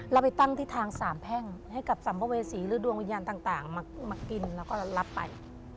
แล้วไปตั้งที่ทางสามแพ่งให้กับสัมภเวษีหรือดวงวิญญาณต่างมากินแล้วก็รับไป